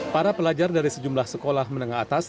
para pelajar dari sejumlah sekolah menengah atas